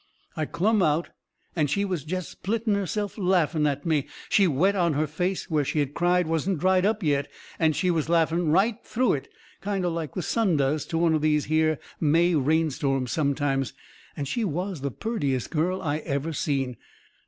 I clumb out and she was jest splitting herself laughing at me. The wet on her face where she had cried wasn't dried up yet, and she was laughing right through it, kind o' like the sun does to one of these here May rainstorms sometimes, and she was the purtiest girl I ever seen.